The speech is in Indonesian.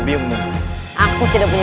biungmu aku tidak punya